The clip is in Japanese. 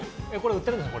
売ってるんですか？